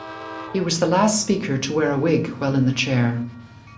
He was the last Speaker to wear a wig while in the chair.